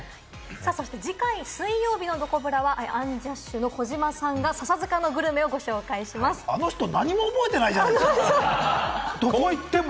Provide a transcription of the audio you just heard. そして次回、水曜日のどこブラはアンジャッシュの児嶋さんが笹塚のグルメをあの人、何も覚えてないじゃない、どこ行っても。